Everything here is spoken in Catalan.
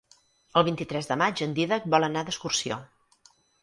El vint-i-tres de maig en Dídac vol anar d'excursió.